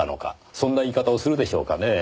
そんな言い方をするでしょうかねぇ？